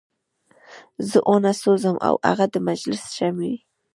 زه وانه سوځم او هغه د مجلس شمع وي.